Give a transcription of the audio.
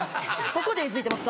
ここでえずいてます